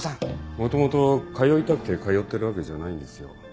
もともと通いたくて通ってるわけじゃないんですよ。